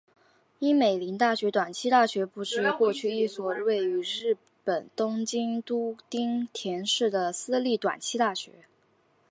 樱美林大学短期大学部是过去一所位于日本东京都町田市的私立短期大学。